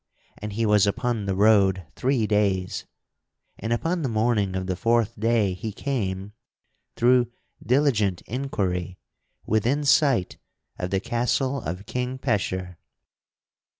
And he was upon the road three days, and upon the morning of the fourth day he came, through diligent inquiry, within sight of the castle of King Pecheur.